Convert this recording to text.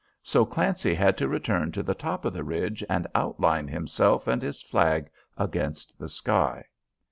So Clancy had to return to the top of the ridge and outline himself and his flag against the sky.